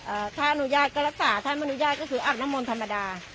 เอ่อถ้าอนุญาตก็รักษาถ้าอนุญาตก็คืออับน้ำมนต์ธรรมดา